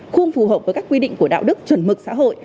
không phù hợp với các quy định của đạo đức chuẩn mực xã hội